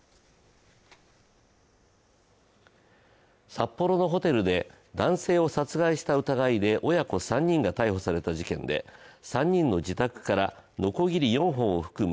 札幌のホテルで男性を殺害した疑いで親子３人が逮捕された事件で、３人の自宅からのこぎり４本を含む